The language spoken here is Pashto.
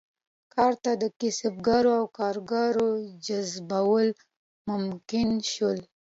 کار ته د کسبګرو او کارګرو جذبول ممکن شول.